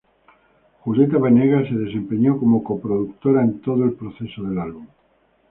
Julieta Venegas se desempeñó como coproductora en todo el proceso del álbum.